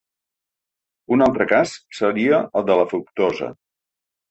Un altre cas seria el de la fructosa.